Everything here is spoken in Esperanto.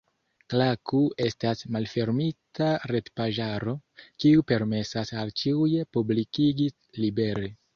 Klaku estas malfermita retpaĝaro, kiu permesas al ĉiuj publikigi libere.